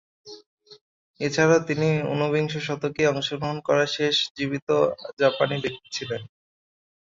এছাড়াও তিনি ঊনবিংশ শতকে জন্মগ্রহণ করা শেষ জীবিত জাপানি ব্যক্তি ছিলেন।